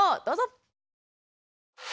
どうぞ！